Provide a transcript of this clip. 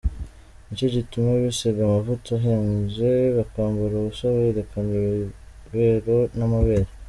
Nicyo gituma bisiga amavuta ahenze, bakambara ubusa berekana ibibero n’amabere.